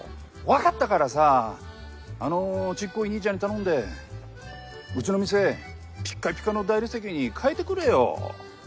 分かったからさあのちっこい兄ちゃんに頼んでうちの店ピッカピカの大理石に変えてくれよ